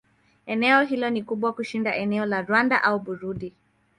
Eneo hili ni kubwa kushinda eneo la Rwanda au Burundi.